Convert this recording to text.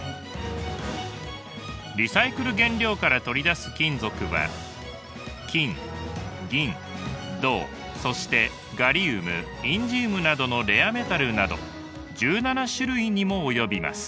リサイクル原料から取り出す金属は金銀銅そしてガリウムインジウムなどのレアメタルなど１７種類にも及びます。